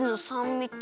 みと